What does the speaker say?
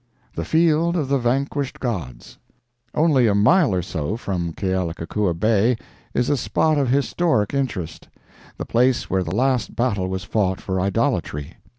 THE FIELD OF THE VANQUISHED GODS Only a mile or so from Kealakekua Bay is a spot of historic interest—the place where the last battle was fought for idolatry.